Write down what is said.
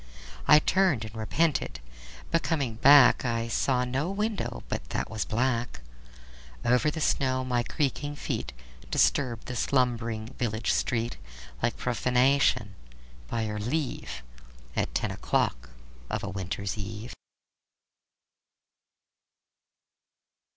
I turned and repented, but coming back I saw no window but that was black. Over the snow my creaking feet Disturbed the slumbering village street Like profanation, by your leave, At ten o'clock of a winter eve.